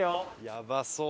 やばそう。